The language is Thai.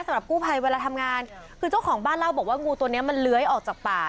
สำหรับกู้ภัยเวลาทำงานคือเจ้าของบ้านเล่าบอกว่างูตัวเนี้ยมันเลื้อยออกจากป่า